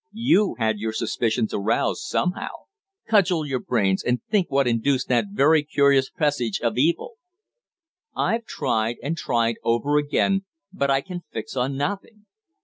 You had your suspicions aroused, somehow. Cudgel your brains, and think what induced that very curious presage of evil." "I've tried and tried over again, but I can fix on nothing.